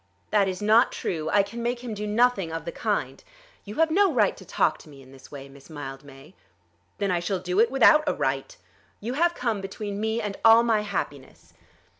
"That is not true. I can make him do nothing of the kind. You have no right to talk to me in this way, Miss Mildmay." "Then I shall do it without a right. You have come between me and all my happiness."